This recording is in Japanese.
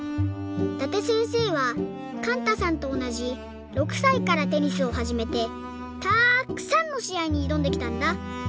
伊達せんせいはかんたさんとおなじ６さいからテニスをはじめてたくさんのしあいにいどんできたんだ。